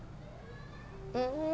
うん。